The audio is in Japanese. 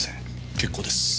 結構です。